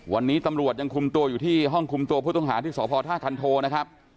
วันนี้ตำรวจยังคุมตัวอยู่ที่ห้องคุมตัวผู้ต้องหาที่สพท่าคันโทนะครับ